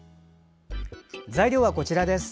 材料はこちらです。